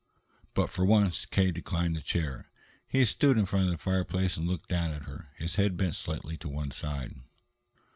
But, for once, K. declined the chair. He stood in front of the fireplace and looked down at her, his head bent slightly to one side.